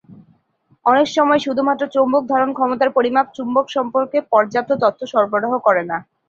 অনেক সময়েই শুধুমাত্র চৌম্বক ধারণ ক্ষমতার পরিমাপ, চুম্বক সম্বন্ধে পর্যাপ্ত তথ্য সরবরাহ করে না।